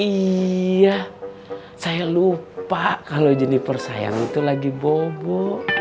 iya saya lupa kalau jeniper sayang itu lagi bobo